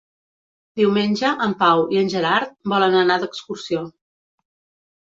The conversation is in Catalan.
Diumenge en Pau i en Gerard volen anar d'excursió.